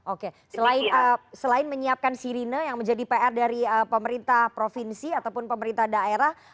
oke selain menyiapkan sirine yang menjadi pr dari pemerintah provinsi ataupun pemerintah daerah